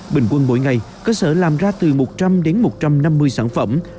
bình quân mỗi ngày cơ sở làm ra từ một trăm linh đến một trăm năm mươi sản phẩm